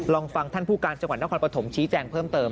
ลองฟังท่านผู้การจังหวัดนครปฐมชี้แจงเพิ่มเติม